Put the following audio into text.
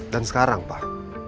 dan sekarang pak